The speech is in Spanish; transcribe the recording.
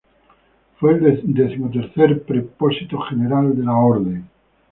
Fue el decimotercer Prepósito General de la Orden.